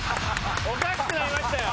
おかしくなりましたよ